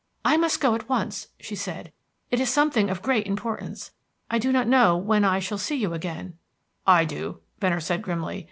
"I must go at once," she said. "It is something of great importance. I don't know when I shall see you again " "I do," Venner said grimly.